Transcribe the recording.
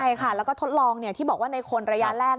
ใช่ค่ะแล้วก็ทดลองที่บอกว่าในคนระยะแรก